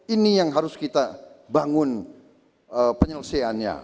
ini yang harus kita bangun penyelesaiannya